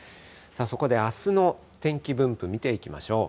そこであすの天気分布、見ていきましょう。